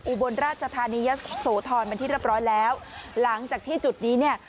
อุบลราชธานียะโสธรเป็นที่เรียบร้อยแล้วหลังจากที่จุดนี้เนี่ย